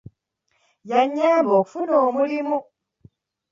Yannyamba okufuna omulimu.